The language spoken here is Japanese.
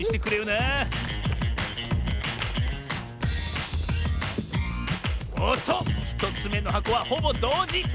なおっと１つめのはこはほぼどうじ！